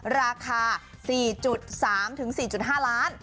ราคา๔๓๔๕ล้าน